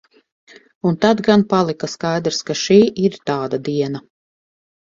Un tad gan palika skaidrs, ka šī ir tāda diena.